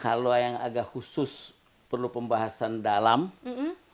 kalau yang agak khusus perlu pembahasan dalam di ruang ini